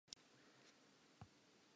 A bona koloi e mmala o mosootho.